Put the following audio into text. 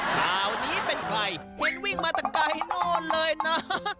คราวนี้เป็นใครเห็นวิ่งมาแต่ไกลโน่นเลยนะ